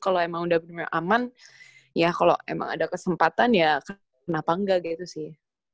kalau emang udah bener bener aman ya kalau emang ada kesempatan ya kenapa enggak gitu sih